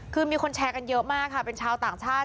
คือมีคนแชร์กันเยอะมากค่ะเป็นชาวต่างชาติ